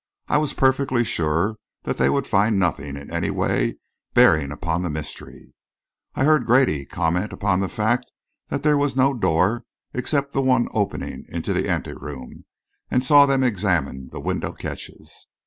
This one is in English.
I was perfectly sure that they would find nothing in any way bearing upon the mystery. I heard Grady comment upon the fact that there was no door except the one opening into the ante room, and saw them examine the window catches.